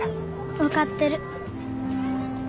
分かってる。